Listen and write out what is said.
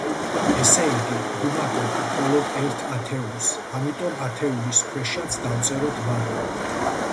ესე იგი, ვუმატებთ მხოლოდ ერთ ათეულს, ამიტომ ათეულის ქვეშაც დავწეროთ ბარემ.